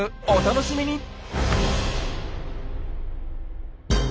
お楽しみに！